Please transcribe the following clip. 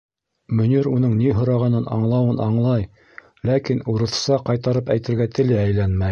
Мөнир уның ни һорағанын аңлауын-аңлай, ләкин урыҫса ҡайтарып әйтергә теле әйләнмәй.